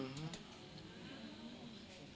อืม